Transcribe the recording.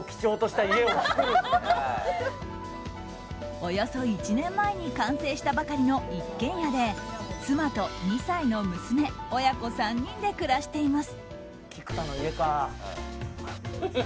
およそ１年前に完成したばかりの一軒家で妻と２歳の娘親子３人で暮らしています。